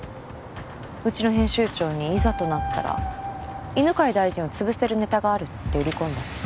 うちの編集長にいざとなったら犬飼大臣を潰せるネタがあるって売り込んだって。